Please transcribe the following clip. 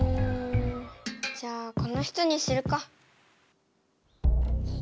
じゃあこの人にするか。